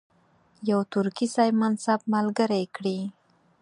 یو ترکي صاحب منصب ملګری کړي.